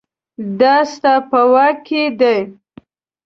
دا ستا په واک کې دي